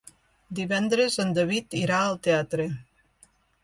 Divendres en David irà al teatre.